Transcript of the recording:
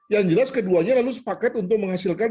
yang jelas keduanya lalu sepaket untuk menghasilkan